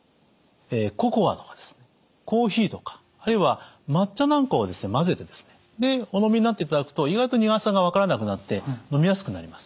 ココアとかコーヒーとかあるいは抹茶なんかを混ぜてでおのみになっていただくと意外と苦さが分からなくなってのみやすくなります。